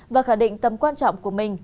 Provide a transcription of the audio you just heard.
và khẳng định tầm quan trọng của mình